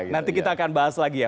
nanti kita akan bahas lagi ya